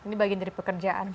ini bagian dari pekerjaan kita